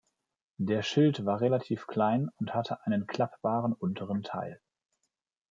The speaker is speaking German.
Der Schild war relativ klein und hatte einen klappbaren unteren Teil.